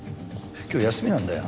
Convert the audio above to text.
今日休みなんだよ。